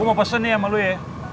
gue mau pesen nih sama loya ya